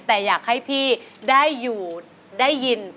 แต่อยากให้พี่ได้อยู่ได้ยิน